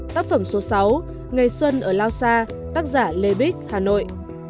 tác phẩm số sáu ngày xuân ở lao sa tác giả lê bích hà nội